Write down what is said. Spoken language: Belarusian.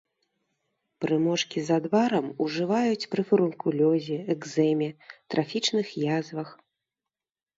Прымочкі з адварам ужываюць пры фурункулёзе, экзэме, трафічных язвах.